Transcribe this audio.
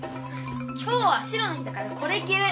今日は白の日だからこれきる！